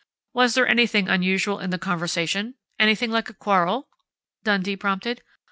"Was there anything unusual in the conversation anything like a quarrel?" Dundee prompted.